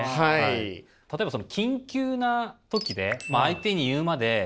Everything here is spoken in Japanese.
例えばその緊急な時で相手に言うまで何でしょう？